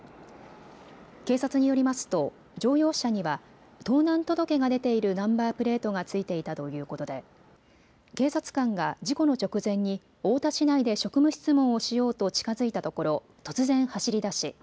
警察によりますと乗用車には盗難届が出ているナンバープレートがついていたということで警察官が事故の直前に太田市内で職務質問をしようと近づいたところ、突然走りだし